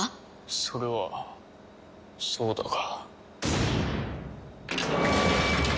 それはそうだが。